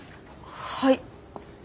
はい。